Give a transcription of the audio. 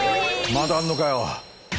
まだあんのかよ。